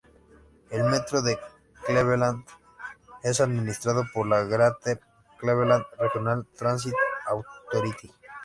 El Metro de Cleveland es administrado por la Greater Cleveland Regional Transit Authority.